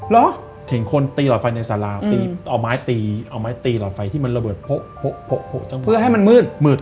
เหรอเห็นคนตีหลอดไฟในสาราอ๋อไม้ตีอ๋อไม้ตีหลอดไฟที่มันระเบิดโผ๊ะโผ๊ะโผ๊ะจังหวานเพื่อให้มันมืดมืด